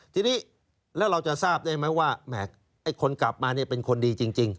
ทีนี้แล้วเราจะทราบได้ไหมว่าแหมไอ้คนกลับมาเนี่ยเป็นคนดีจริง